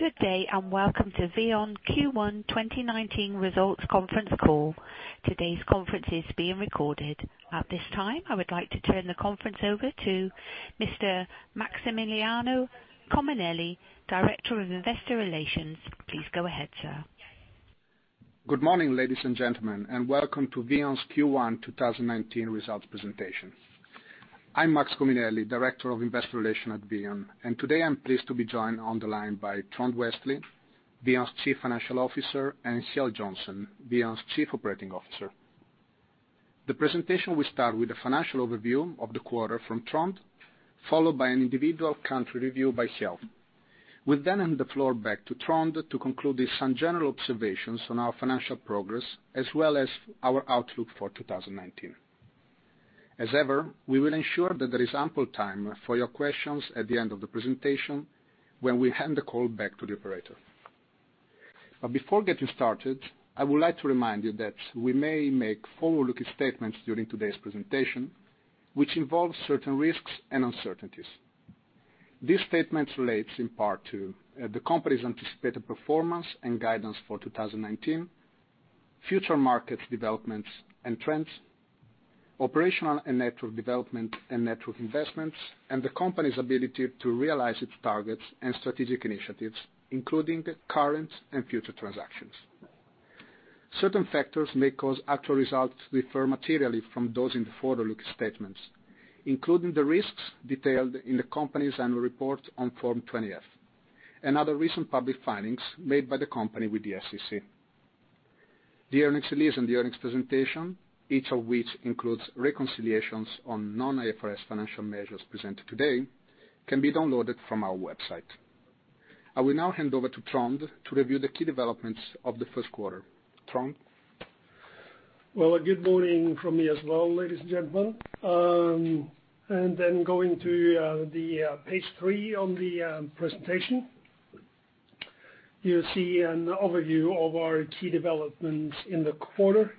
Good day, welcome to VEON Q1 2019 results conference call. Today's conference is being recorded. At this time, I would like to turn the conference over to Mr. Maximiliano Cominelli, Director of Investor Relations. Please go ahead, sir. Good morning, ladies and gentlemen, welcome to VEON's Q1 2019 results presentation. I'm Max Cominelli, Director of Investor Relations at VEON, today I'm pleased to be joined on the line by Trond Westlie, VEON's Chief Financial Officer, and Kjell Johnsen, VEON's Chief Operating Officer. The presentation will start with a financial overview of the quarter from Trond, followed by an individual country review by Kjell. We'll hand the floor back to Trond to conclude with some general observations on our financial progress as well as our outlook for 2019. As ever, we will ensure that there is ample time for your questions at the end of the presentation when we hand the call back to the operator. Before getting started, I would like to remind you that we may make forward-looking statements during today's presentation which involve certain risks and uncertainties. These statements relate in part to the company's anticipated performance and guidance for 2019, future market developments and trends, operational and network development and network investments, and the company's ability to realize its targets and strategic initiatives, including current and future transactions. Certain factors may cause actual results to differ materially from those in the forward-looking statements, including the risks detailed in the company's annual report on Form 20-F and other recent public filings made by the company with the SEC. The earnings release and the earnings presentation, each of which includes reconciliations on non-IFRS financial measures presented today, can be downloaded from our website. I will now hand over to Trond to review the key developments of the first quarter. Trond? Well, good morning from me as well, ladies and gentlemen. Going to the page three on the presentation. You see an overview of our key developments in the quarter,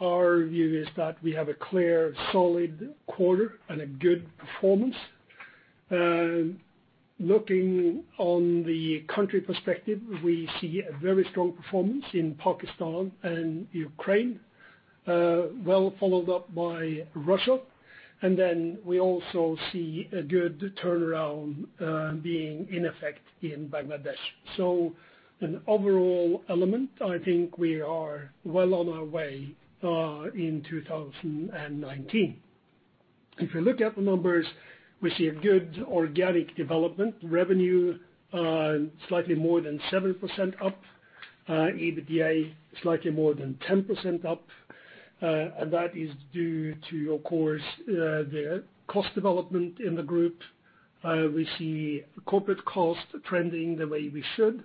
our view is that we have a clear, solid quarter and a good performance. Looking on the country perspective, we see a very strong performance in Pakistan and Ukraine, well followed up by Russia. We also see a good turnaround being in effect in Bangladesh. An overall element, I think we are well on our way in 2019. If we look at the numbers, we see a good organic development. Revenue slightly more than 7% up, EBITDA slightly more than 10% up. That is due to, of course, the cost development in the group. We see corporate cost trending the way we should,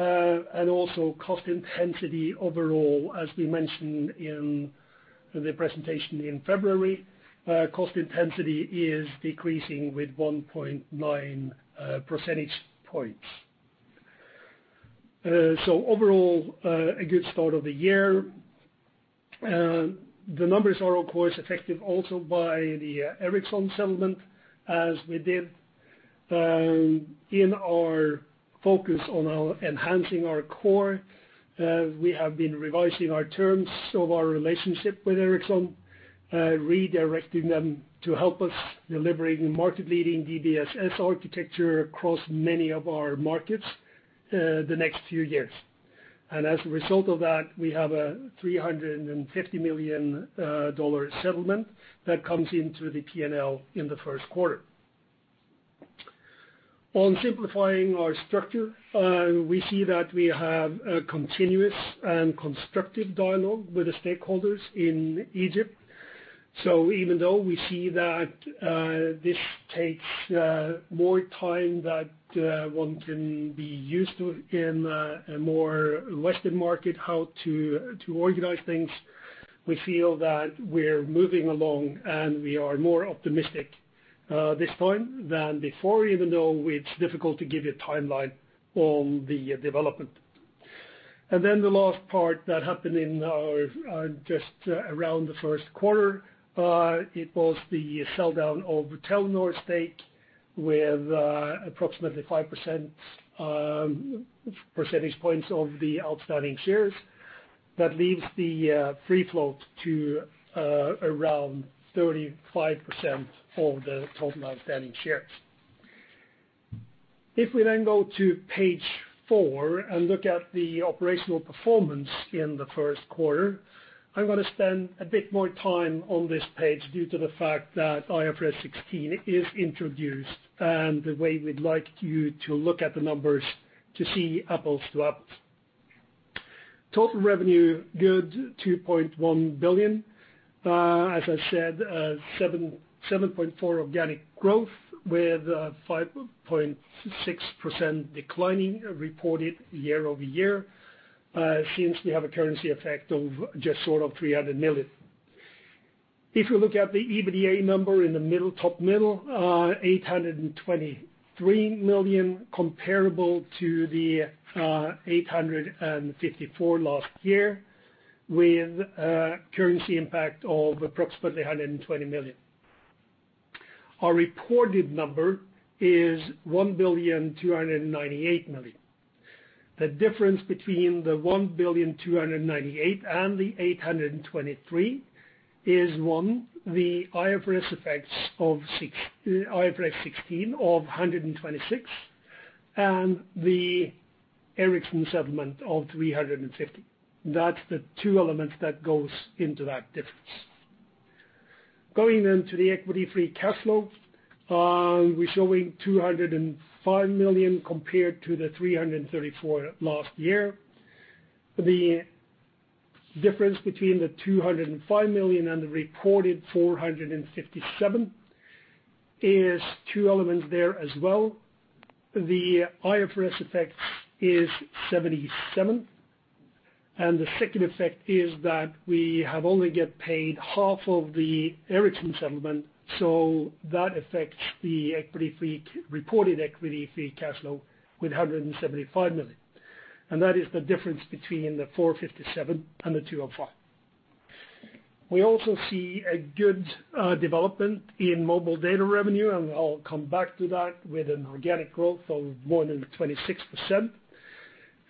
also cost intensity overall, as we mentioned in the presentation in February. Cost intensity is decreasing with 1.9 percentage points. Overall, a good start of the year. The numbers are, of course, affected also by the Ericsson settlement, as we did in our focus on enhancing our core. We have been revising our terms of our relationship with Ericsson, redirecting them to help us delivering market-leading DSS architecture across many of our markets the next few years. As a result of that, we have a $350 million settlement that comes into the P&L in the first quarter. On simplifying our structure, we see that we have a continuous and constructive dialogue with the stakeholders in Egypt. Even though we see that this takes more time than one can be used to in a more Western market, how to organize things, we feel that we're moving along and we are more optimistic this time than before, even though it's difficult to give a timeline on the development. The last part that happened in our just around the first quarter, it was the sell-down of Telenor's stake with approximately 5 percentage points of the outstanding shares. That leaves the free float to around 35% of the total outstanding shares. If we go to page four and look at the operational performance in the first quarter, I'm going to spend a bit more time on this page due to the fact that IFRS 16 is introduced and the way we'd like you to look at the numbers to see apples to apples. Total revenue, good, $2.1 billion. As I said, 7.4% organic growth with 5.6% declining reported year-over-year, since we have a currency effect of just short of $300 million. If you look at the EBITDA number in the top middle, $823 million comparable to the $854 million last year. With a currency impact of approximately $120 million. Our reported number is $1,298 million. The difference between the $1,298 million and the $823 million is one, the IFRS 16 of $126 million, and the Ericsson settlement of $350 million. That's the two elements that goes into that difference. Going to the equity free cash flow, we're showing $205 million compared to the $334 million last year. The difference between the $205 million and the reported $457 million is two elements there as well. The IFRS effects is $77 million, the second effect is that we have only get paid half of the Ericsson settlement, so that affects the reported equity free cash flow with $175 million. That is the difference between the $457 million and the $205 million. We also see a good development in mobile data revenue, I'll come back to that, with an organic growth of more than 26%.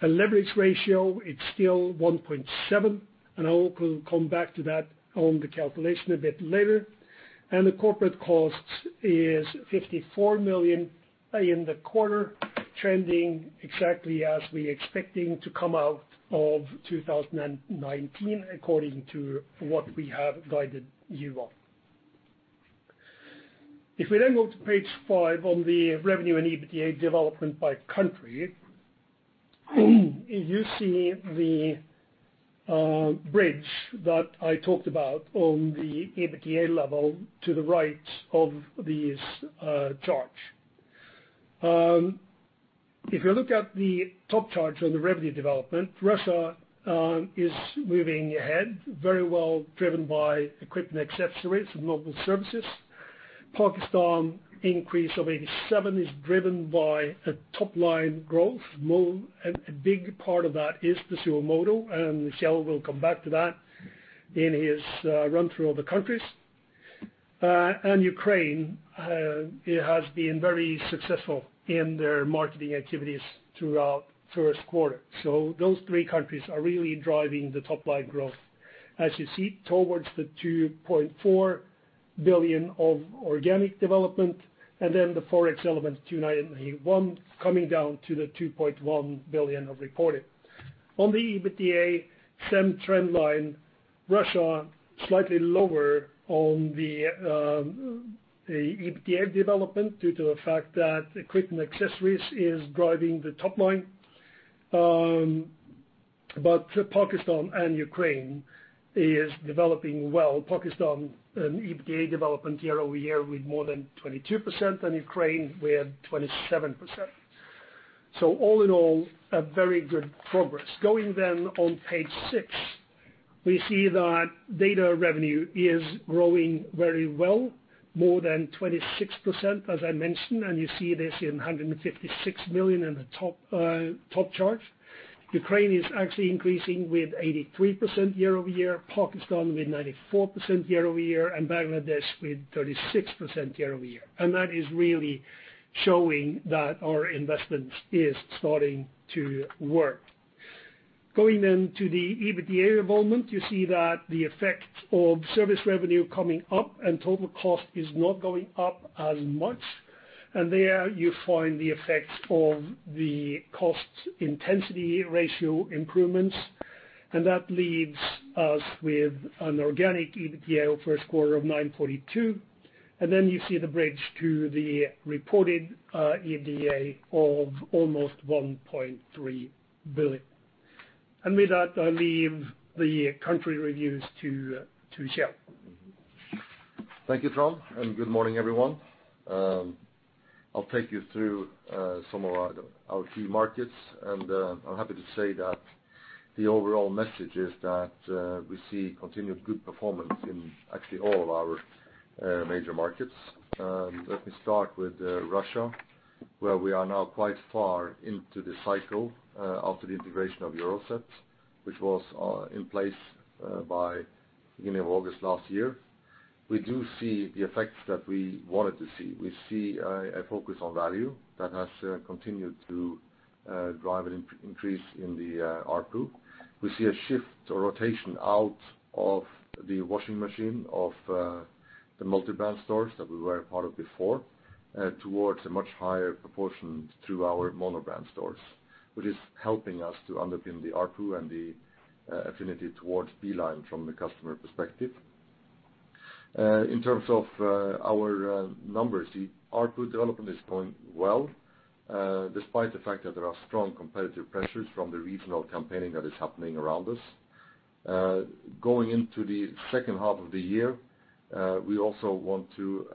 A leverage ratio, it's still 1.7x, I will come back to that on the calculation a bit later. The corporate costs is $54 million in the quarter, trending exactly as we expecting to come out of 2019, according to what we have guided you on. If we go to page five on the revenue and EBITDA development by country, you see the bridge that I talked about on the EBITDA level to the right of this chart. If you look at the top chart on the revenue development, Russia is moving ahead very well, driven by equipment accessories and mobile services. Pakistan increase of 87% is driven by a top line growth, and a big part of that is the suo motu, and Kjell Johnsen will come back to that in his run through of the countries. Ukraine has been very successful in their marketing activities throughout first quarter. Those three countries are really driving the top line growth. As you see, towards the $2.4 billion of organic development, then the ForEx element $291 coming down to the $2.1 billion of reported. On the EBITDA same trend line, Russia slightly lower on the EBITDA development due to the fact that equipment accessories is driving the top line. Pakistan and Ukraine is developing well. Pakistan EBITDA development year-over-year with more than 22%, and Ukraine with 27%. All in all, a very good progress. Going then on page six, we see that data revenue is growing very well, more than 26%, as I mentioned, and you see this in $156 million in the top chart. Ukraine is actually increasing with 83% year-over-year, Pakistan with 94% year-over-year, and Bangladesh with 36% year-over-year. That is really showing that our investment is starting to work. Going then to the EBITDA development, you see that the effect of service revenue coming up and total cost is not going up as much. There you find the effects of the cost intensity ratio improvements, and that leaves us with an organic EBITDA for a score of $942. Then you see the bridge to the reported EBITDA of almost $1.3 billion. With that, I leave the country reviews to Kjell. Thank you, Trond, and good morning, everyone. I'll take you through some of our key markets, and I'm happy to say that the overall message is that we see continued good performance in actually all our major markets. Let me start with Russia, where we are now quite far into the cycle after the integration of Euroset, which was in place by beginning of August last year. We do see the effects that we wanted to see. We see a focus on value that has continued to drive an increase in the ARPU. We see a shift or rotation out of the washing machine of the multi-brand stores that we were a part of before, towards a much higher proportion to our mono-brand stores, which is helping us to underpin the ARPU and the affinity towards Beeline from the customer perspective. In terms of our numbers, the ARPU development is going well, despite the fact that there are strong competitive pressures from the regional campaigning that is happening around us. Going into the second half of the year, we also want to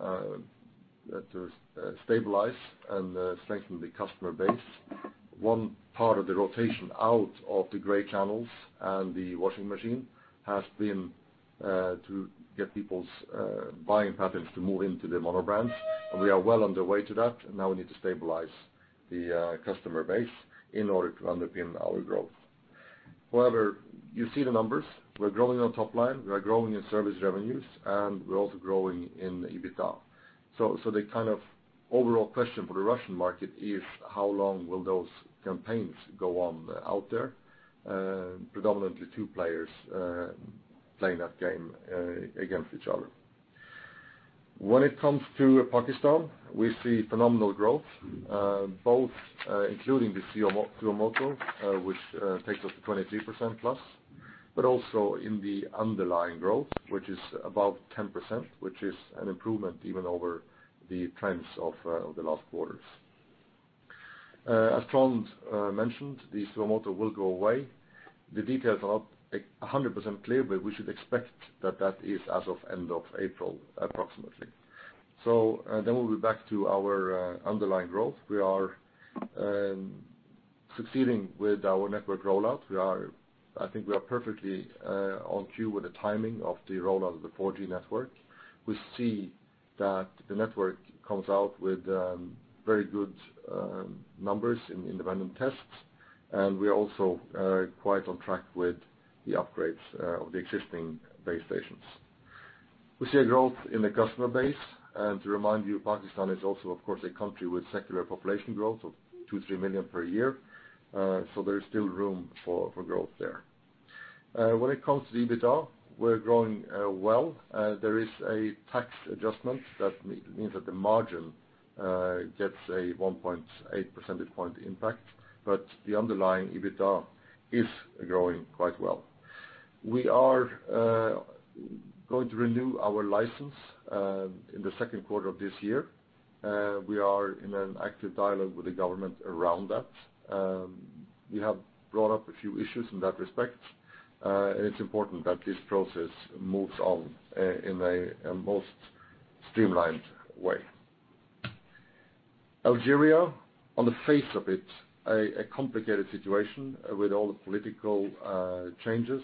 stabilize and strengthen the customer base. One part of the rotation out of the gray channels and the washing machine has been to get people's buying patterns to move into the mono brands, and we are well underway to that. Now we need to stabilize the customer base in order to underpin our growth. You see the numbers. We're growing on top line, we are growing in service revenues, and we're also growing in EBITDA. The overall question for the Russian market is how long will those campaigns go on out there? Predominantly two players playing that game against each other. When it comes to Pakistan, we see phenomenal growth, both including the suo motu, which takes us to 23%+, but also in the underlying growth, which is above 10%, which is an improvement even over the trends of the last quarters. As Trond mentioned, the suo motu will go away. The details are not 100% clear, but we should expect that is as of end of April, approximately. We'll be back to our underlying growth. We are succeeding with our network rollout. I think we are perfectly on cue with the timing of the rollout of the 4G network. We see that the network comes out with very good numbers in independent tests, and we are also quite on track with the upgrades of the existing base stations. We see a growth in the customer base. To remind you, Pakistan is also, of course, a country with secular population growth of two, three million per year. There is still room for growth there. When it comes to the EBITDA, we're growing well. There is a tax adjustment that means that the margin gets a 1.8 percentage point impact, but the underlying EBITDA is growing quite well. We are going to renew our license in the second quarter of this year. We are in an active dialogue with the government around that. We have brought up a few issues in that respect, and it's important that this process moves on in a most streamlined way. Algeria, on the face of it, a complicated situation with all the political changes.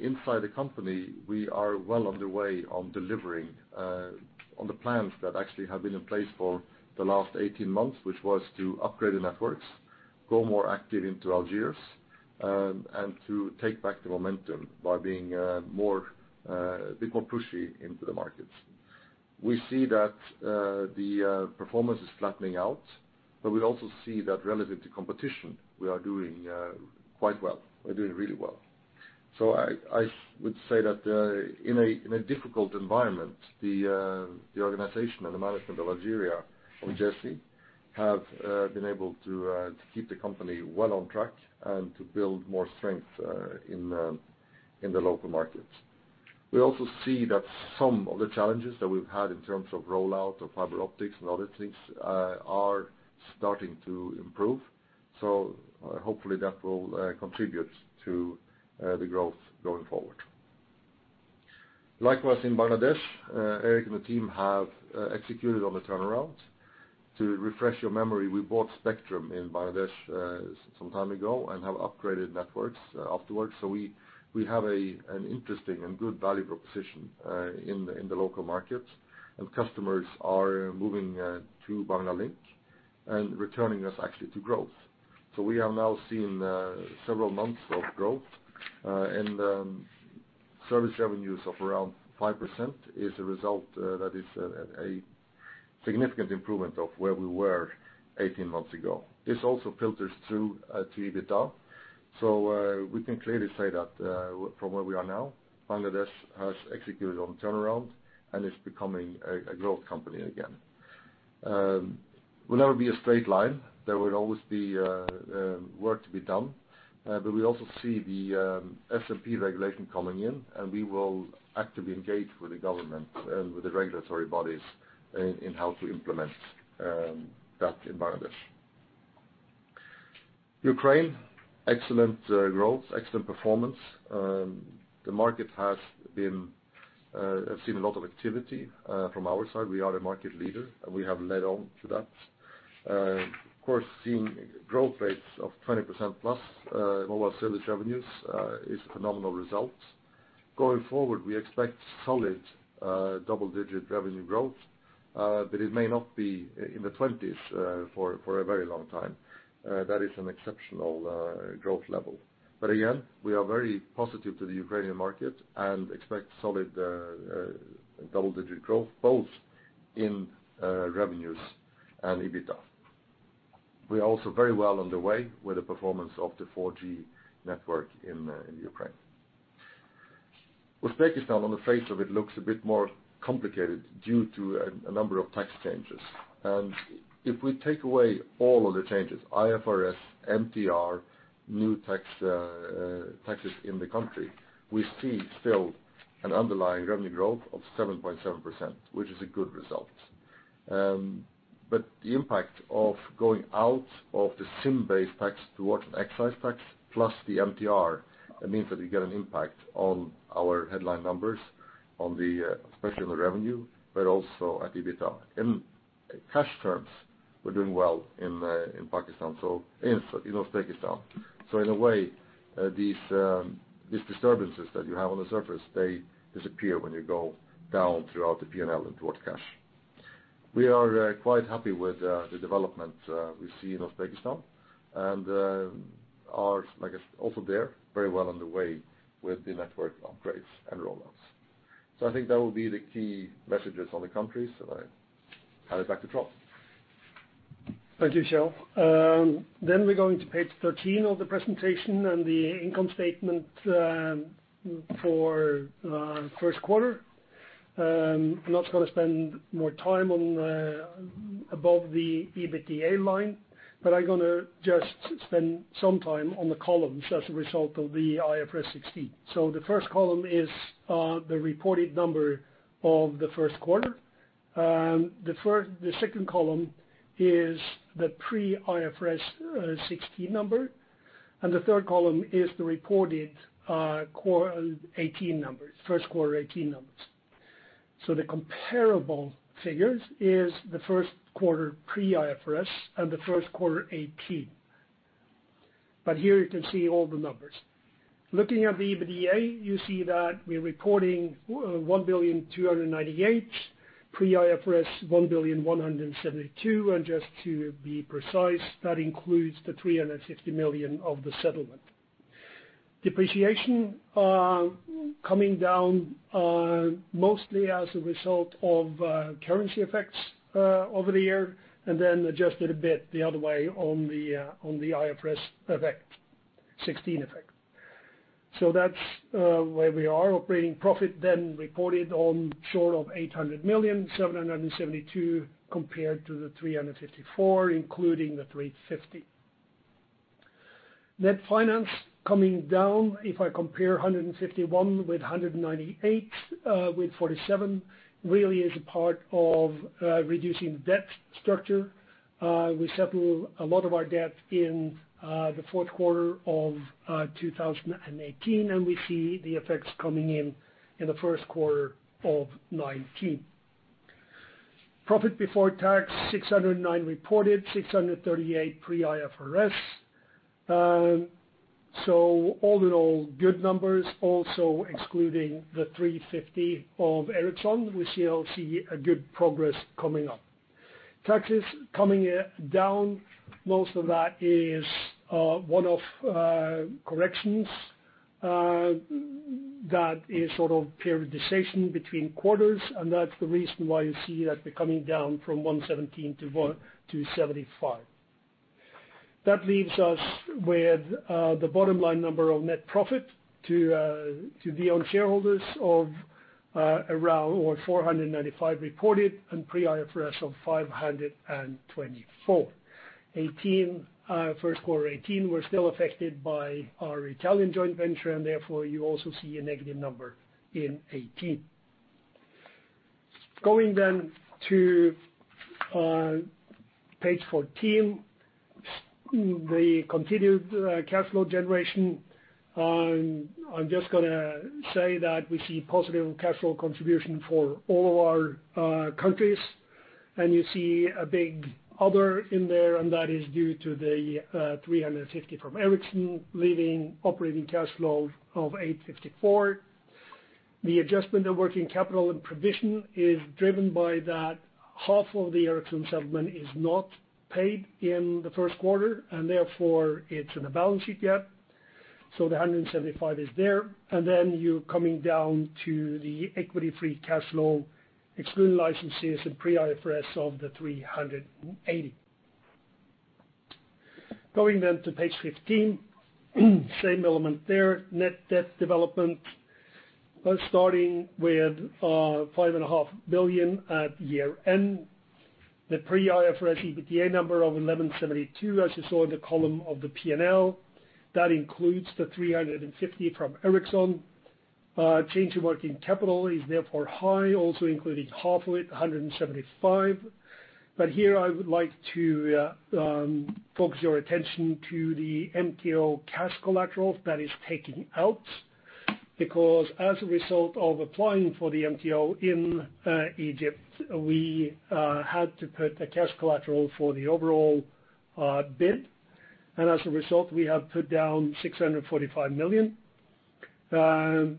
Inside the company, we are well underway on delivering on the plans that actually have been in place for the last 18 months, which was to upgrade the networks, go more active into Algiers, and to take back the momentum by being a bit more pushy into the markets. We see that the performance is flattening out, but we also see that relative to competition, we are doing quite well. We're doing really well. I would say that in a difficult environment, the organization and the management of Algeria on Djezzy have been able to keep the company well on track and to build more strength in the local markets. We also see that some of the challenges that we've had in terms of rollout of fiber optics and other things are starting to improve. Hopefully that will contribute to the growth going forward. Likewise, in Bangladesh, Eric and the team have executed on the turnaround. To refresh your memory, we bought Spectrum in Bangladesh some time ago and have upgraded networks afterwards. We have an interesting and good value proposition in the local market. Customers are moving to Banglalink and returning us actually to growth. We are now seeing several months of growth, and service revenues of around 5% is a result that is a significant improvement of where we were 18 months ago. This also filters through to EBITDA. We can clearly say that from where we are now, Bangladesh has executed on turnaround and is becoming a growth company again. Will never be a straight line. There will always be work to be done. We also see the SMP regulation coming in, and we will actively engage with the government and with the regulatory bodies in how to implement that in Bangladesh. Ukraine, excellent growth, excellent performance. The market has seen a lot of activity from our side. We are a market leader, and we have led on to that. Of course, seeing growth rates of 20% plus mobile service revenues is a phenomenal result. Going forward, we expect solid double-digit revenue growth, but it may not be in the 20s for a very long time. That is an exceptional growth level. Again, we are very positive to the Ukrainian market and expect solid double-digit growth both in revenues and EBITDA. We are also very well on the way with the performance of the 4G network in Ukraine. Uzbekistan, on the face of it, looks a bit more complicated due to a number of tax changes. If we take away all of the changes, IFRS, MTR, new taxes in the country, we see still an underlying revenue growth of 7.7%, which is a good result. The impact of going out of the SIM-based tax towards an excise tax plus the MTR, that means that we get an impact on our headline numbers, especially on the revenue, but also at EBITDA. In cash terms, we're doing well in Uzbekistan. In a way, these disturbances that you have on the surface, they disappear when you go down throughout the P&L and towards cash. We are quite happy with the development we see in Uzbekistan, and are, I guess, also there very well on the way with the network upgrades and rollouts. I think that will be the key messages on the countries, and I hand it back to Trond. Thank you, Kjell. We're going to page 13 of the presentation and the income statement for first quarter. I'm not going to spend more time on above the EBITDA line, but I'm going to just spend some time on the columns as a result of the IFRS 16. The first column is the reported number of the first quarter. The second column is the pre-IFRS 16 number, and the third column is the reported first quarter 2018 numbers. The comparable figures is the first quarter pre-IFRS and the first quarter 2018. Here you can see all the numbers. Looking at the EBITDA, you see that we're reporting $1 billion 298, pre-IFRS, $1 billion 172, and just to be precise, that includes the $360 million of the settlement. Depreciation coming down mostly as a result of currency effects over the year, and then adjusted a bit the other way on the IFRS 16 effect. That's where we are. Operating profit reported on short of $800 million, $772 million compared to the $354 million, including the $350 million. Net finance coming down. If I compare $151 million with $198 million, with $47 million, really is a part of reducing the debt structure. We settle a lot of our debt in the fourth quarter of 2018, and we see the effects coming in the first quarter of 2019. Profit before tax $609 million reported, $638 million pre-IFRS. All in all, good numbers. Also excluding the $350 million of Ericsson, we still see a good progress coming up. Taxes coming down. Most of that is one-off corrections. That is periodization between quarters, and that's the reason why you see that we're coming down from $117 million to $75 million. That leaves us with the bottom line number of net profit to be on shareholders of around $495 million reported and pre-IFRS of $524 million. First quarter 2018, we're still affected by our Italian joint venture, and therefore you also see a negative number in 2018. Going to page 14, the continued cash flow generation. I'm just going to say that we see positive cash flow contribution for all of our countries, and you see a big other in there, and that is due to the $350 million from Ericsson leaving operating cash flow of $854 million. The adjustment of working capital and provision is driven by that half of the Ericsson settlement is not paid in the first quarter, and therefore it's in the balance sheet gap. The $175 million is there. You're coming down to the equity-free cash flow, excluding licenses and pre-IFRS of the $380 million. Going to page 15. Same element there. Net debt development both starting with $5.5 billion at year end. The pre-IFRS EBITDA number of $1,172 million, as you saw in the column of the P&L. That includes the $350 million from Ericsson. Change in working capital is therefore high, also including half of it, $175 million. Here I would like to focus your attention to the MTO cash collateral that is taking out, because as a result of applying for the MTO in Egypt, we had to put a cash collateral for the overall bid, and as a result, we have put down $645 million. That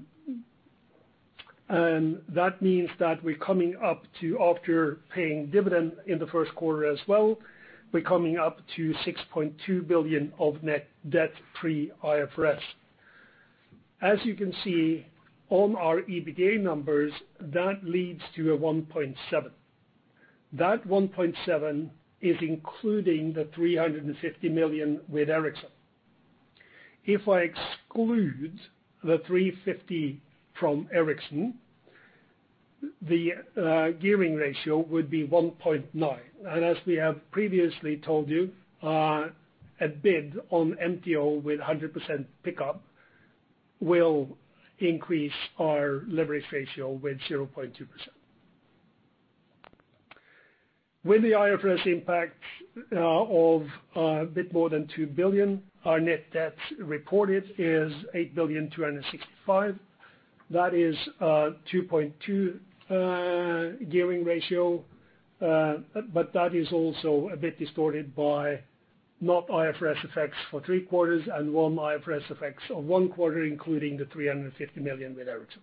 means that after paying dividend in the first quarter as well, we're coming up to $6.2 billion of net debt pre-IFRS. As you can see on our EBITDA numbers, that leads to a 1.7x. That 1.7x is including the $350 million with Ericsson. If I exclude the $350 million from Ericsson, the gearing ratio would be 1.9x. As we have previously told you, a bid on MTO with 100% pickup will increase our leverage ratio with 0.2%. With the IFRS impact of a bit more than $2 billion, our net debt reported is $8.265 billion. That is a 2.2x gearing ratio, that is also a bit distorted by not IFRS effects for three quarters and one IFRS effect of one quarter, including the $350 million with Ericsson.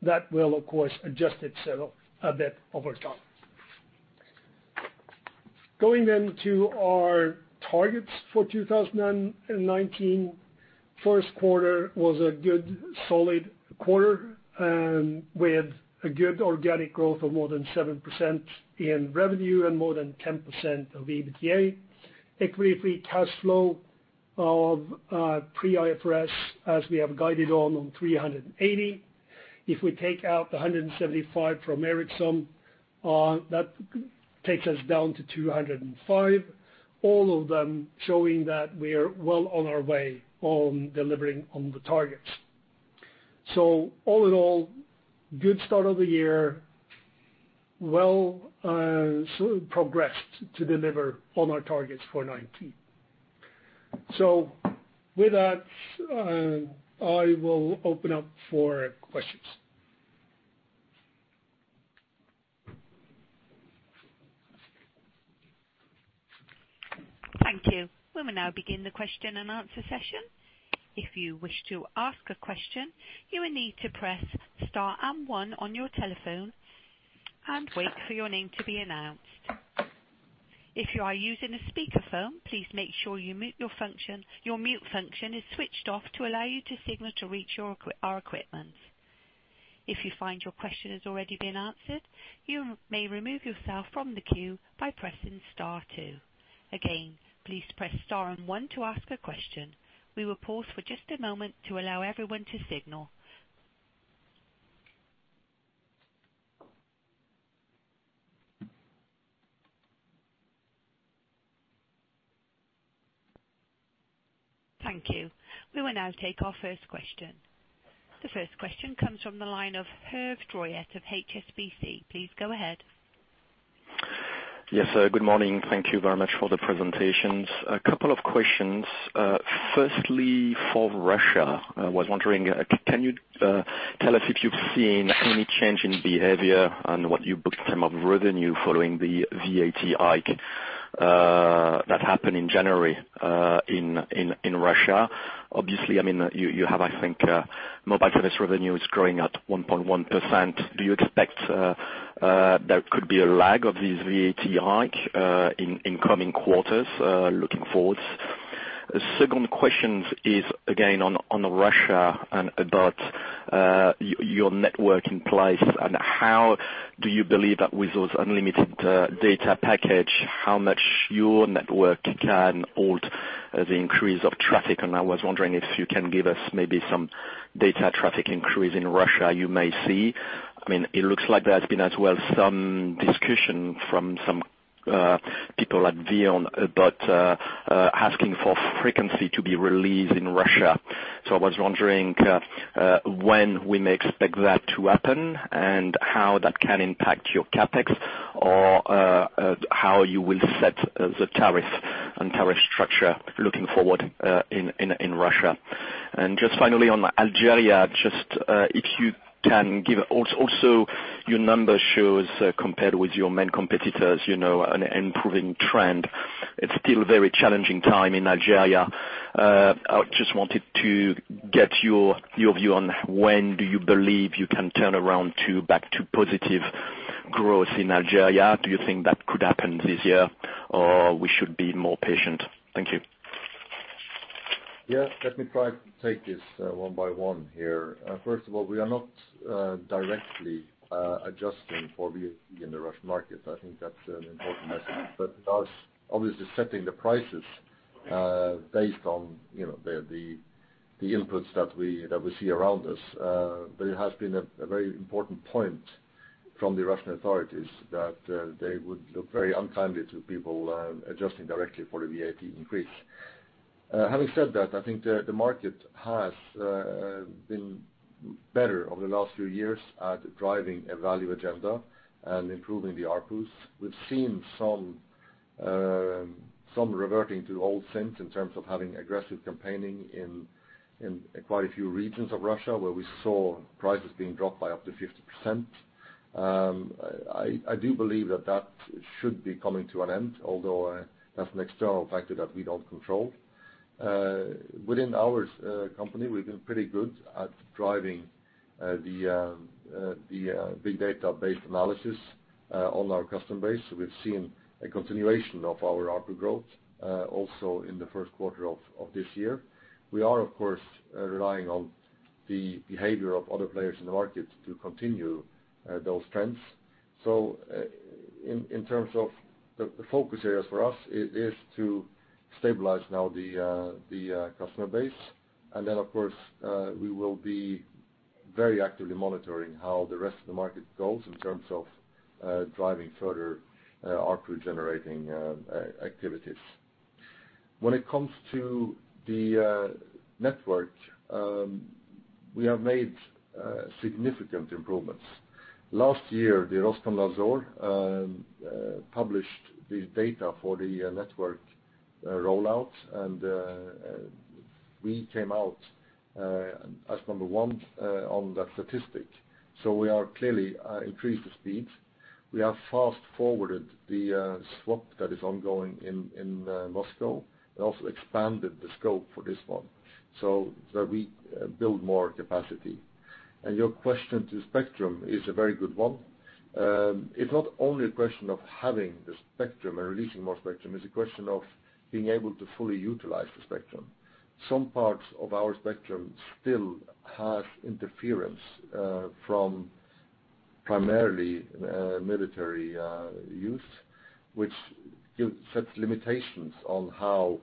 That will, of course, adjust itself a bit over time. Going to our targets for 2019. First quarter was a good solid quarter with a good organic growth of more than 7% in revenue and more than 10% of EBITDA. Equity free cash flow of pre-IFRS, as we have guided on $380. If we take out $175 from Ericsson, that takes us down to $205. All of them showing that we are well on our way on delivering on the targets. All in all, good start of the year. Well progressed to deliver on our targets for 2019. With that, I will open up for questions. Thank you. We will now begin the question and answer session. If you wish to ask a question, you will need to press star and one on your telephone and wait for your name to be announced. If you are using a speakerphone, please make sure your mute function is switched off to allow your signal to reach our equipment. If you find your question has already been answered, you may remove yourself from the queue by pressing star two. Again, please press star and one to ask a question. We will pause for just a moment to allow everyone to signal. Thank you. We will now take our first question. The first question comes from the line of Hervé Drouet of HSBC. Please go ahead. Yes. Good morning. Thank you very much for the presentations. A couple of questions. Firstly, for Russia. I was wondering, can you tell us if you've seen any change in behavior on what you booked in term of revenue following the VAT hike that happened in January, in Russia? Obviously, you have, I think mobile service revenue is growing at 1.1%. Do you expect there could be a lag of this VAT hike in coming quarters, looking forwards? Second question is again on Russia and about your network in place and how do you believe that with those unlimited data package, how much your network can hold the increase of traffic. I was wondering if you can give us maybe some data traffic increase in Russia you may see. It looks like there has been as well some discussion from some people at VEON about asking for frequency to be released in Russia. I was wondering when we may expect that to happen, and how that can impact your CapEx, or how you will set the tariff and tariff structure looking forward in Russia. Just finally on Algeria, just if you can give also your numbers shows compared with your main competitors, an improving trend. It's still a very challenging time in Algeria. I just wanted to get your view on when do you believe you can turn around back to positive growth in Algeria? Do you think that could happen this year, or we should be more patient? Thank you. Let me try to take this one by one here. First of all, we are not directly adjusting for VAT in the Russian market. I think that's an important message. Thus, obviously setting the prices based on the inputs that we see around us. It has been a very important point from the Russian authorities that they would look very unkindly to people adjusting directly for the VAT increase. Having said that, I think the market has been better over the last few years at driving a value agenda and improving the ARPUs. We've seen some reverting to old sins in terms of having aggressive campaigning in quite a few regions of Russia, where we saw prices being dropped by up to 50%. I do believe that that should be coming to an end, although that's an external factor that we don't control. Within our company, we've been pretty good at driving the big data-based analysis on our customer base. We've seen a continuation of our ARPU growth, also in the first quarter of this year. We are, of course, relying on the behavior of other players in the market to continue those trends. In terms of the focus areas for us is to stabilize now the customer base. Then, of course, we will be very actively monitoring how the rest of the market goes in terms of driving further ARPU-generating activities. When it comes to the network, we have made significant improvements Last year, the Rostelecom published the data for the network rollout, and we came out as number one on that statistic. We are clearly increasing speed. We have fast-forwarded the swap that is ongoing in Moscow and also expanded the scope for this one so that we build more capacity. Your question to spectrum is a very good one. It's not only a question of having the spectrum or releasing more spectrum, it's a question of being able to fully utilize the spectrum. Some parts of our spectrum still have interference from primarily military use, which sets limitations on how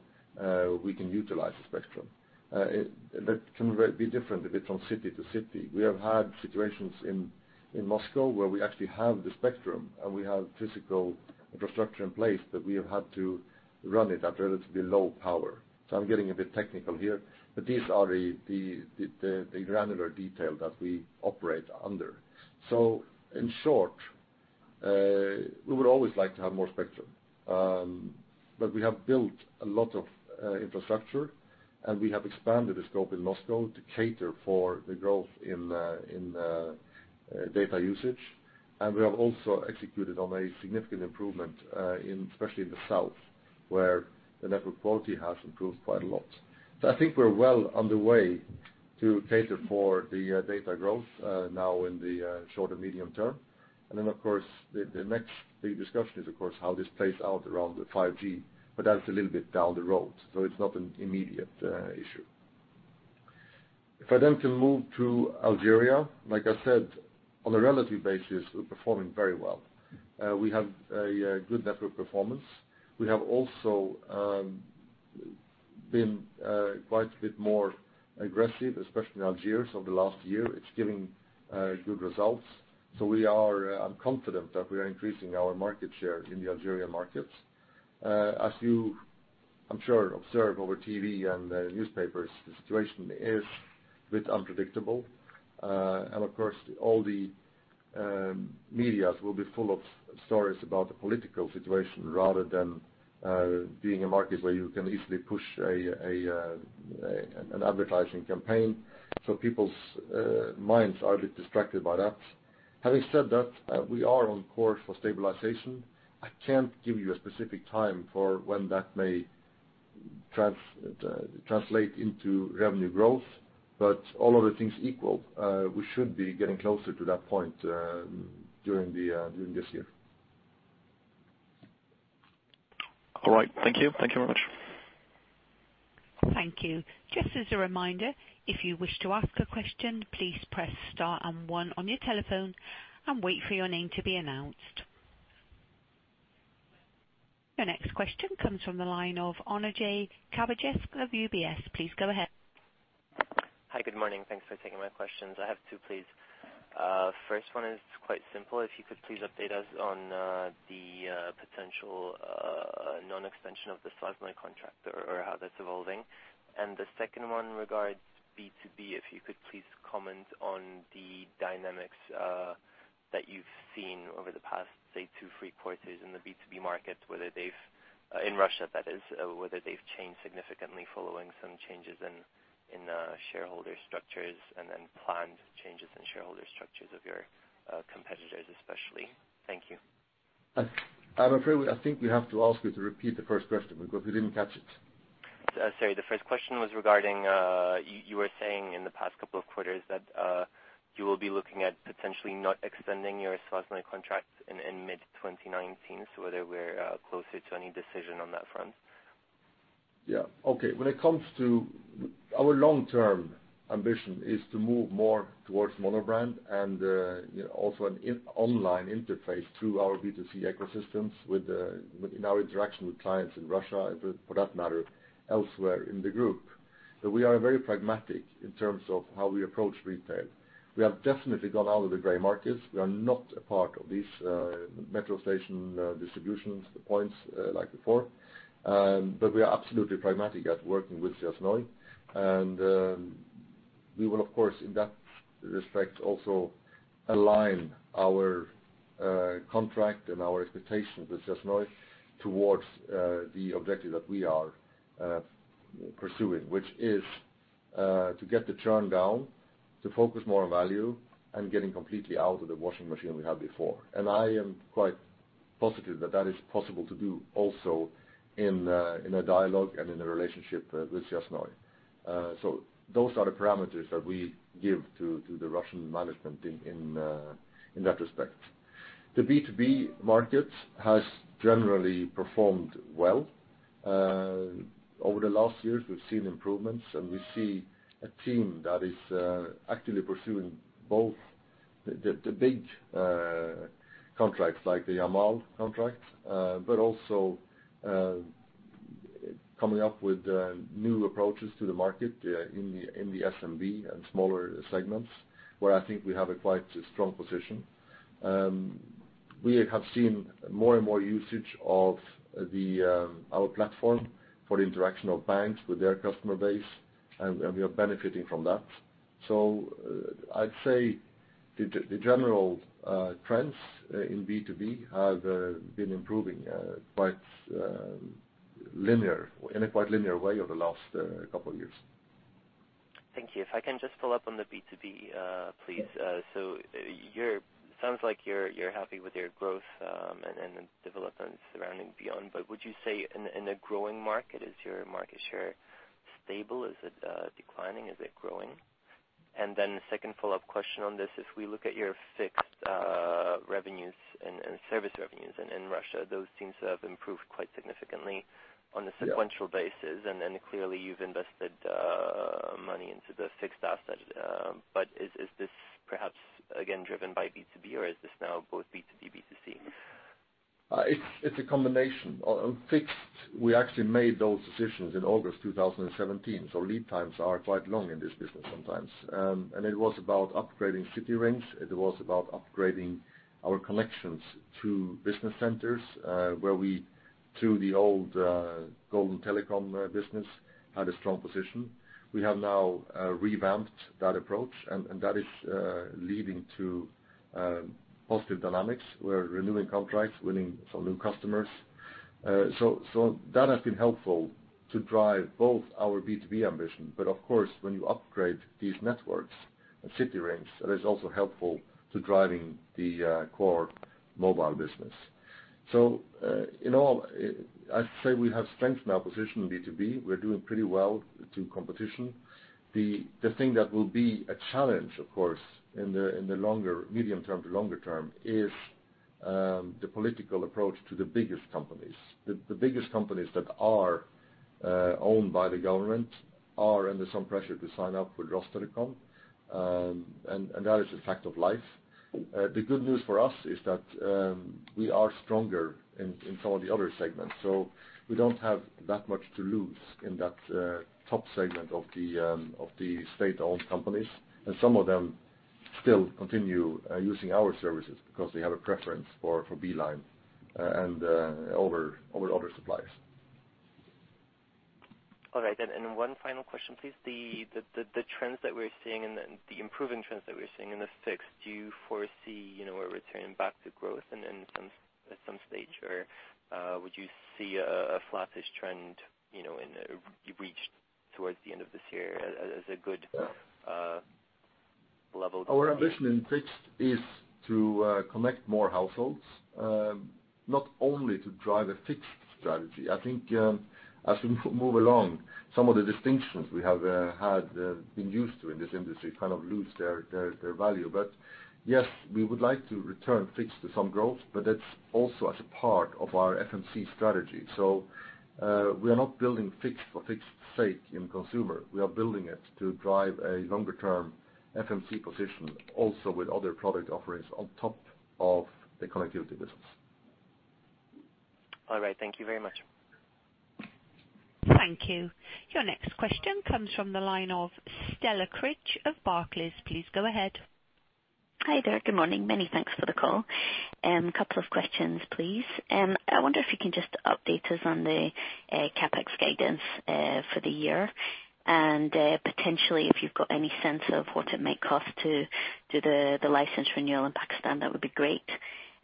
we can utilize the spectrum. That can be different a bit from city to city. We have had situations in Moscow where we actually have the spectrum, and we have physical infrastructure in place, but we have had to run it at relatively low power. I'm getting a bit technical here, but these are the granular detail that we operate under. In short, we would always like to have more spectrum. We have built a lot of infrastructure, and we have expanded the scope in Moscow to cater for the growth in data usage. We have also executed on a significant improvement, especially in the south, where the network quality has improved quite a lot. I think we're well on the way to cater for the data growth now in the short and medium term. Then, of course, the next big discussion is, of course, how this plays out around the 5G, but that's a little bit down the road, so it's not an immediate issue. If I then can move to Algeria, like I said, on a relative basis, we're performing very well. We have a good network performance. We have also been quite a bit more aggressive, especially in Algiers over the last year. It's giving good results. I'm confident that we are increasing our market share in the Algerian markets. As you, I'm sure, observe over TV and newspapers, the situation is a bit unpredictable. Of course, all the media will be full of stories about the political situation rather than being a market where you can easily push an advertising campaign. People's minds are a bit distracted by that. Having said that, we are on course for stabilization. I can't give you a specific time for when that may translate into revenue growth, but all other things equal, we should be getting closer to that point during this year. All right. Thank you. Thank you very much. Thank you. Just as a reminder, if you wish to ask a question, please press star and one on your telephone and wait for your name to be announced. Your next question comes from the line of Onajie Kabajisk of UBS. Please go ahead. Hi. Good morning. Thanks for taking my questions. I have two, please. First one is quite simple. If you could please update us on the potential non-extension of the Svyaznoy contract or how that's evolving. The second one regards B2B. If you could please comment on the dynamics that you've seen over the past, say, two, three quarters in the B2B market, in Russia, that is, whether they've changed significantly following some changes in shareholder structures and then planned changes in shareholder structures of your competitors, especially. Thank you. I'm afraid, I think we have to ask you to repeat the first question because we didn't catch it. Sorry. The first question was regarding, you were saying in the past couple of quarters that you will be looking at potentially not extending your Svyaznoy contract in mid-2019, whether we're closer to any decision on that front. Yeah. Okay. When it comes to our long-term ambition is to move more towards monobrand and also an online interface through our B2C ecosystems in our interaction with clients in Russia, and for that matter, elsewhere in the group. We are very pragmatic in terms of how we approach retail. We have definitely gone out of the gray markets. We are not a part of these metro station distributions points like before, but we are absolutely pragmatic at working with Svyaznoy. We will, of course, in that respect, also align our contract and our expectations with Svyaznoy towards the objective that we are pursuing, which is to get the churn down, to focus more on value, and getting completely out of the washing machine we had before. I am quite positive that that is possible to do also in a dialogue and in a relationship with Svyaznoy. Those are the parameters that we give to the Russian management in that respect. The B2B market has generally performed well. Over the last years, we've seen improvements, and we see a team that is actively pursuing both the big contracts like the Yamal contract, but also coming up with new approaches to the market in the SMB and smaller segments, where I think we have a quite strong position. We have seen more and more usage of our platform for the interaction of banks with their customer base, and we are benefiting from that. I'd say the general trends in B2B have been improving in a quite linear way over the last couple of years. Thank you. If I can just follow up on the B2B, please. Sounds like you're happy with your growth, and the developments surrounding beyond, but would you say in a growing market, is your market share stable? Is it declining? Is it growing? Then the second follow-up question on this, if we look at your fixed revenues and service revenues in Russia, those seem to have improved quite significantly on a sequential basis. Yeah. Clearly you've invested money into the fixed asset. Is this perhaps again, driven by B2B, or is this now both B2B, B2C? It's a combination. On fixed, we actually made those decisions in August 2017, lead times are quite long in this business sometimes. It was about upgrading city rings. It was about upgrading our connections to business centers, where we, through the old Golden Telecom business, had a strong position. We have now revamped that approach, that is leading to positive dynamics. We're renewing contracts, winning some new customers. That has been helpful to drive both our B2B ambition. Of course, when you upgrade these networks and city rings, that is also helpful to driving the core mobile business. In all, I'd say we have strength in our position in B2B. We're doing pretty well through competition. The thing that will be a challenge, of course, in the medium term to longer term is the political approach to the biggest companies. The biggest companies that are owned by the government are under some pressure to sign up with Rostelecom, that is a fact of life. The good news for us is that we are stronger in some of the other segments, we don't have that much to lose in that top segment of the state-owned companies. Some of them still continue using our services because they have a preference for Beeline over other suppliers. All right then. One final question, please. The improving trends that we're seeing in the fixed, do you foresee a return back to growth at some stage, or would you see a flattish trend you've reached towards the end of this year as a good level to be? Our ambition in fixed is to connect more households, not only to drive a fixed strategy. I think as we move along, some of the distinctions we have had been used to in this industry kind of lose their value. Yes, we would like to return fixed to some growth, but that's also as a part of our FMC strategy. We are not building fixed for fixed sake in consumer. We are building it to drive a longer-term FMC position also with other product offerings on top of the connectivity business. All right. Thank you very much. Thank you. Your next question comes from the line of Stella Cridge of Barclays. Please go ahead. Hi there. Good morning. Many thanks for the call. Couple of questions, please. I wonder if you can just update us on the CapEx guidance for the year, and potentially if you've got any sense of what it might cost to do the license renewal in Pakistan, that would be great.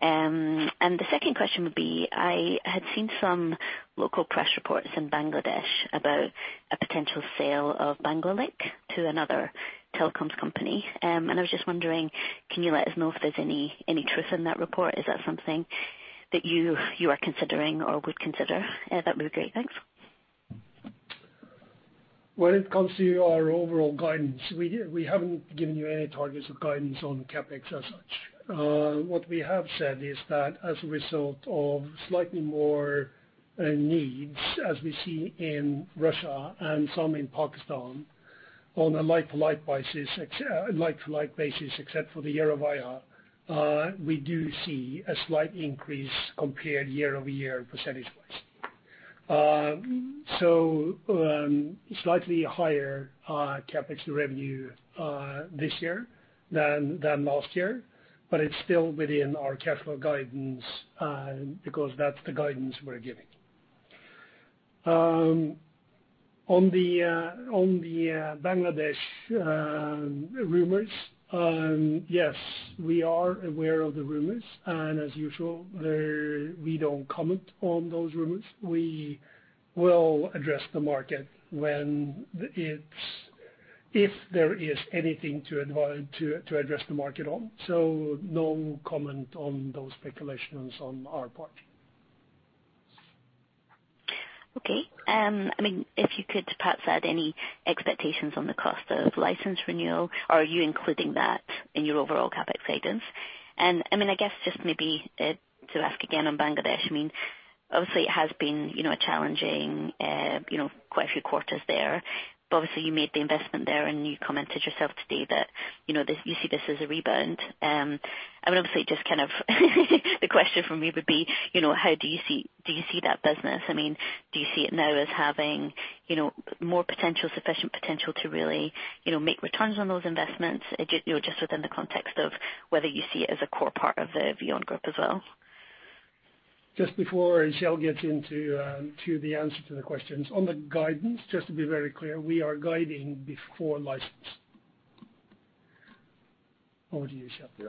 The second question would be, I had seen some local press reports in Bangladesh about a potential sale of Banglalink to another telecoms company. I was just wondering, can you let us know if there's any truth in that report? Is that something that you are considering or would consider? That would be great. Thanks. When it comes to our overall guidance, we haven't given you any targets of guidance on CapEx as such. What we have said is that as a result of slightly more needs as we see in Russia and some in Pakistan, on a like-to-like basis, except for the year-over-year, we do see a slight increase compared year-over-year percentage-wise. Slightly higher CapEx revenue this year than last year, but it's still within our careful guidance, because that's the guidance we're giving. On the Bangladesh rumors, yes, we are aware of the rumors. As usual, we don't comment on those rumors. We will address the market if there is anything to address the market on, no comment on those speculations on our part. Okay. If you could perhaps add any expectations on the cost of license renewal, are you including that in your overall CapEx guidance? I guess just maybe to ask again on Bangladesh. Obviously, it has been challenging quite a few quarters there, but obviously you made the investment there and you commented yourself today that you see this as a rebound. Obviously, just the question from me would be, do you see that business, do you see it now as having more potential, sufficient potential to really make returns on those investments, just within the context of whether you see it as a core part of the VEON group as well? Just before Kjell gets into the answer to the questions. On the guidance, just to be very clear, we are guiding before license. Over to you, Kjell. Yeah.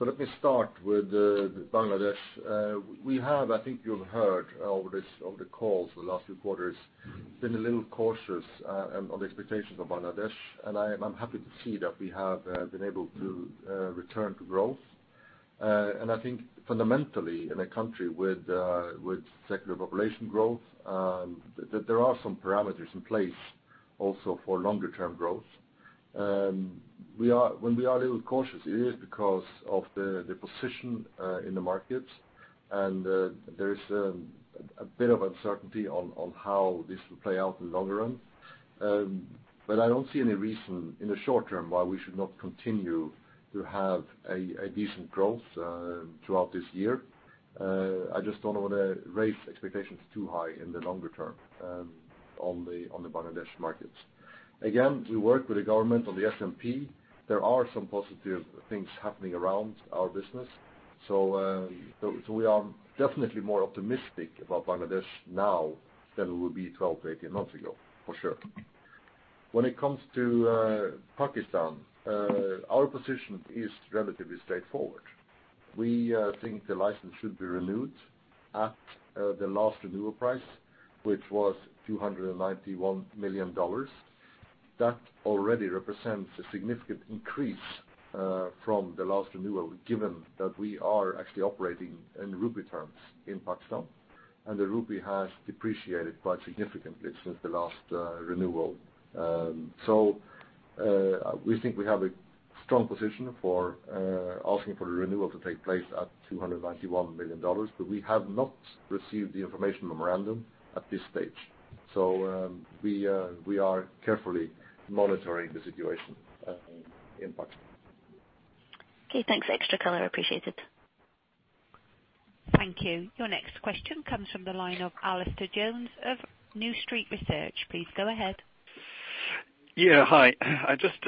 Let me start with Bangladesh. We have, I think you've heard over the calls the last few quarters, been a little cautious on the expectations of Bangladesh, and I'm happy to see that we have been able to return to growth. I think fundamentally in a country with secular population growth, that there are some parameters in place also for longer term growth. When we are a little cautious, it is because of the position in the markets, and there is a bit of uncertainty on how this will play out in the longer run. I don't see any reason in the short term why we should not continue to have a decent growth throughout this year. I just don't want to raise expectations too high in the longer term on the Bangladesh markets. Again, we work with the government on the SMP. There are some positive things happening around our business. We are definitely more optimistic about Bangladesh now than we would be 12 to 18 months ago, for sure. When it comes to Pakistan, our position is relatively straightforward. We think the license should be renewed at the last renewal price, which was $291 million. That already represents a significant increase from the last renewal, given that we are actually operating in rupee terms in Pakistan, and the rupee has depreciated quite significantly since the last renewal. We think we have a strong position for asking for the renewal to take place at $291 million, but we have not received the information memorandum at this stage. We are carefully monitoring the situation in Pakistan. Okay, thanks. Extra color appreciated. Thank you. Your next question comes from the line of Alistair Jones of New Street Research. Please go ahead. Hi. Just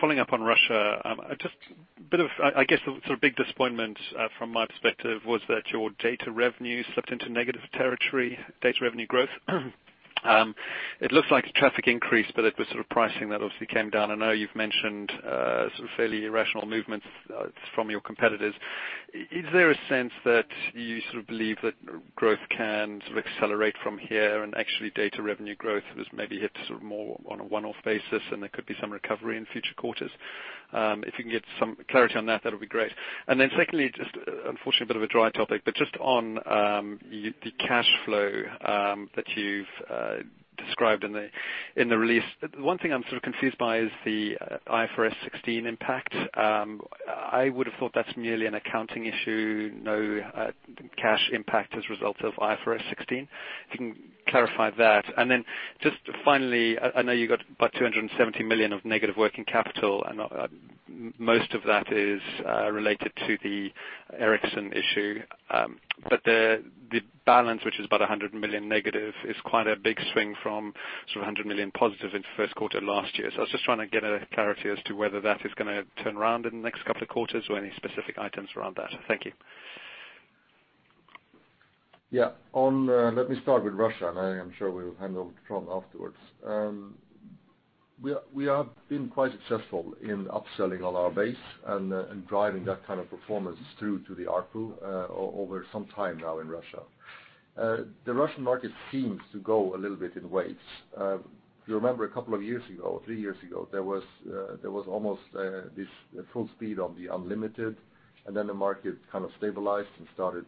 following up on Russia, just a bit of, I guess, the sort of big disappointment from my perspective was that your data revenue slipped into negative territory, data revenue growth. It looks like traffic increased, but it was sort of pricing that obviously came down. I know you've mentioned fairly irrational movements from your competitors. Is there a sense that you sort of believe that growth can sort of accelerate from here and actually data revenue growth was maybe hit more on a one-off basis and there could be some recovery in future quarters? If you can get some clarity on that would be great. Secondly, just unfortunately a bit of a dry topic, but just on the cash flow that you've described in the release. One thing I'm sort of confused by is the IFRS 16 impact. I would have thought that's merely an accounting issue, no cash impact as a result of IFRS 16. If you can clarify that. Just finally, I know you got about $270 million of negative working capital, and most of that is related to the Ericsson issue. The balance, which is about $100 million negative, is quite a big swing from sort of $100 million positive in the first quarter of last year. I was just trying to get a clarity as to whether that is going to turn around in the next couple of quarters or any specific items around that. Thank you. Let me start with Russia, and I am sure we'll handle Trond Westlie afterwards. We have been quite successful in upselling on our base and driving that kind of performance through to the ARPU over some time now in Russia. The Russian market seems to go a little bit in waves. If you remember a couple of years ago, three years ago, there was almost this full speed on the unlimited, and then the market kind of stabilized and started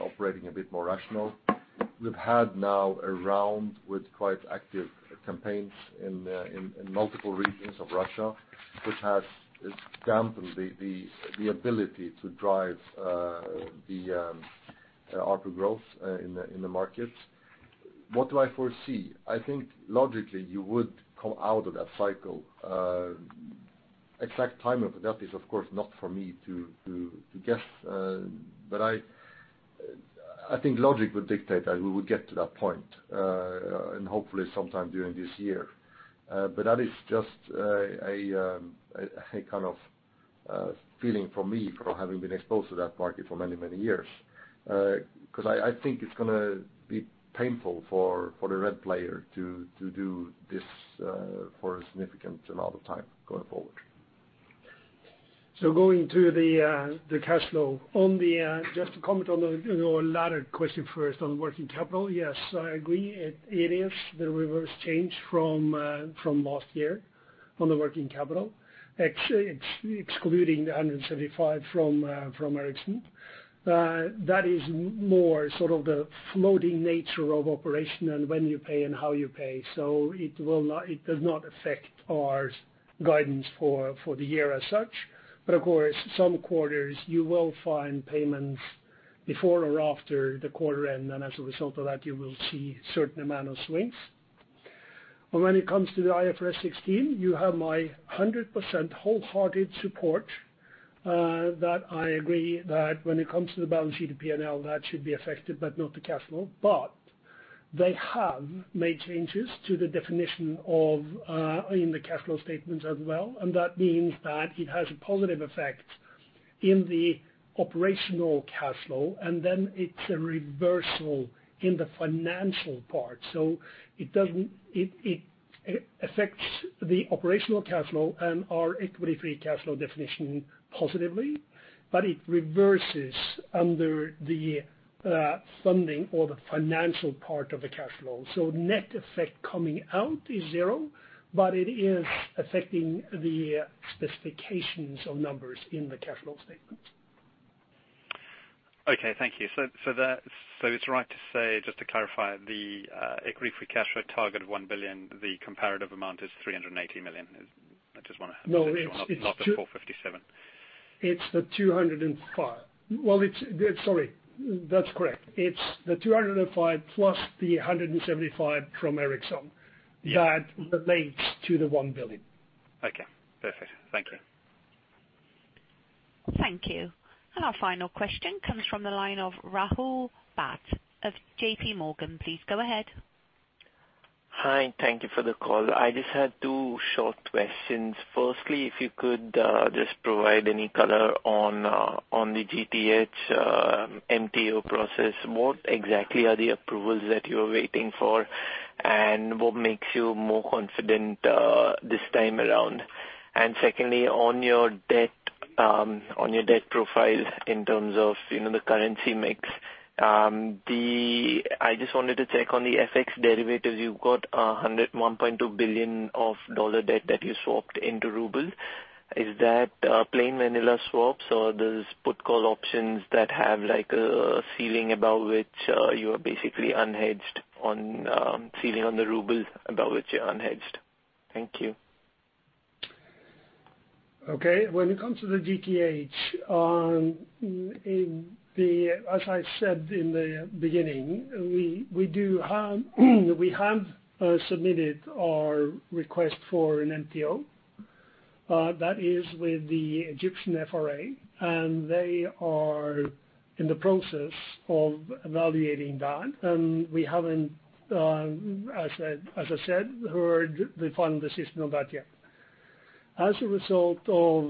operating a bit more rational. We've had now a round with quite active campaigns in multiple regions of Russia, which has dampened the ability to drive the ARPU growth in the markets. What do I foresee? I think logically you would come out of that cycle. Exact timing of that is, of course, not for me to guess. I think logic would dictate that we would get to that point, and hopefully sometime during this year. That is just a kind of feeling from me from having been exposed to that market for many, many years. I think it's going to be painful for the red player to do this for a significant amount of time going forward. Going to the cash flow. Just to comment on your latter question first on working capital. Yes, I agree. It is the reverse change from last year on the working capital. Excluding the $175 from Ericsson. That is more sort of the floating nature of operation and when you pay and how you pay. It does not affect our guidance for the year as such. Of course, some quarters you will find payments before or after the quarter end, and as a result of that, you will see a certain amount of swings. When it comes to the IFRS 16, you have my 100% wholehearted support that I agree that when it comes to the balance sheet, the P&L, that should be affected, but not the cash flow. They have made changes to the definition in the cash flow statements as well, and that means that it has a positive effect in the operational cash flow, and then it's a reversal in the financial part. It affects the operational cash flow and our equity free cash flow definition positively, but it reverses under the funding or the financial part of the cash flow. Net effect coming out is zero, but it is affecting the specifications of numbers in the cash flow statement. Okay, thank you. It's right to say, just to clarify, the equity free cash flow target of $1 billion, the comparative amount is $380 million. No. Not the $457 million. It's the 205. Sorry. That's correct. It's the 205 plus the 175 from Ericsson- Yeah that relates to the $1 billion. Okay, perfect. Thank you. Thank you. Our final question comes from the line of Rahul Bhatt of JPMorgan. Please go ahead. Hi. Thank you for the call. I just had two short questions. Firstly, if you could just provide any color on the GTH MTO process. What exactly are the approvals that you're waiting for, and what makes you more confident this time around? Secondly, on your debt profile, in terms of the currency mix, I just wanted to check on the FX derivatives. You've got $1.2 billion of dollar debt that you swapped into rubles. Is that plain vanilla swaps or there's put call options that have a ceiling above which you are basically unhedged on the rubles above which you're unhedged? Thank you. Okay. When it comes to the GTH, as I said in the beginning, we have submitted our request for an MTO. That is with the Egyptian FRA, they are in the process of evaluating that. We haven't, as I said, heard the final decision on that yet. As a result of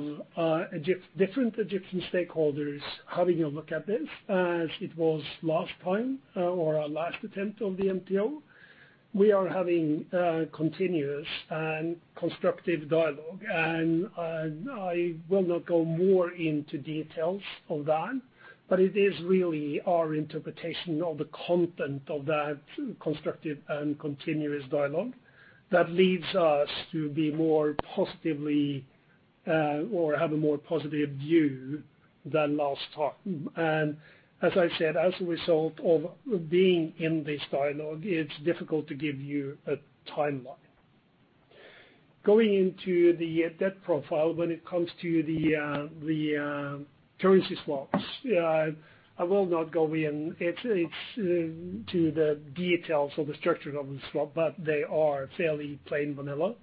different Egyptian stakeholders having a look at this, as it was last time or our last attempt on the MTO, we are having continuous and constructive dialogue. I will not go more into details of that, but it is really our interpretation of the content of that constructive and continuous dialogue that leads us to be more positively, or have a more positive view than last time. As I said, as a result of being in this dialogue, it's difficult to give you a timeline. Going into the debt profile, when it comes to the currency swaps, I will not go into the details of the structure of the swap, but they are fairly plain vanilla.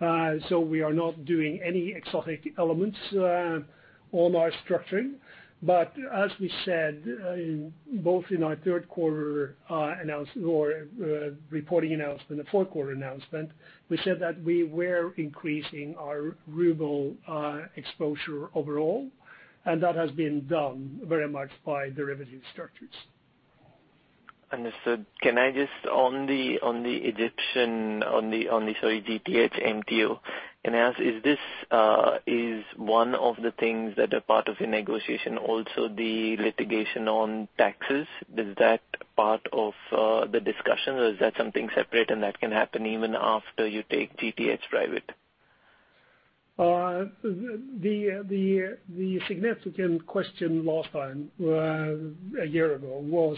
We are not doing any exotic elements on our structuring. As we said, both in our third quarter reporting announcement, the fourth-quarter announcement, we said that we were increasing our ruble exposure overall, and that has been done very much by derivative structures. Understood. Can I just, on the GTH MTO enhance, is one of the things that are part of your negotiation also the litigation on taxes? Is that part of the discussion, or is that something separate and that can happen even after you take GTH private? The significant question last time, a year ago,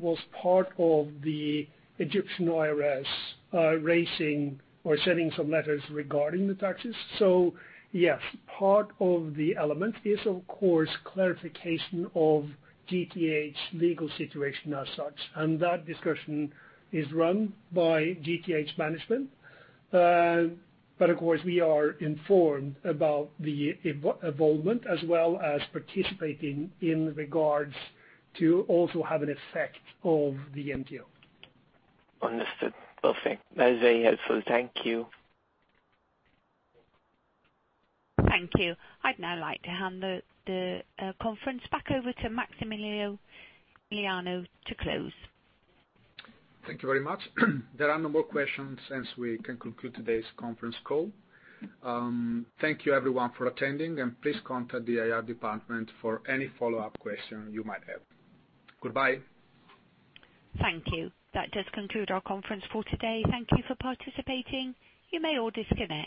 was part of the Egyptian Tax Authority raising or sending some letters regarding the taxes. Yes, part of the element is, of course, clarification of GTH legal situation as such, and that discussion is run by GTH management. Of course, we are informed about the involvement as well as participating in regards to also have an effect of the MTO. Understood. Perfect. That is very helpful. Thank you. Thank you. I'd now like to hand the conference back over to Maximiliano to close. Thank you very much. There are no more questions, hence we can conclude today's conference call. Thank you everyone for attending, and please contact the IR department for any follow-up question you might have. Goodbye. Thank you. That does conclude our conference for today. Thank you for participating. You may all disconnect.